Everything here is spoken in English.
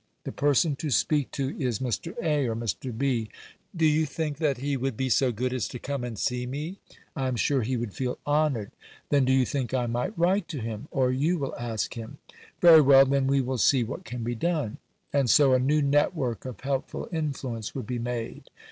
The person to speak to is Mr. A. or Mr. B. Do you think that he would be so good as to come and see me?" "I am sure he would feel honoured." "Then do you think I might write to him? or you will ask him? Very well, then we will see what can be done." And so a new network of helpful influence would be made.